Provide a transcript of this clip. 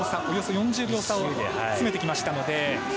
およそ４０秒差を詰めてきたので。